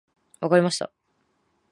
分かりました。